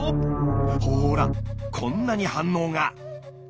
ほらこんなに反応が。